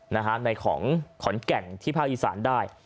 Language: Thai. ในของขอนแก่นที่ภาคอีสานได้